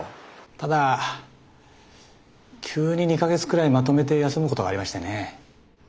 ただ急に２か月くらいまとめて休むことがありましてね。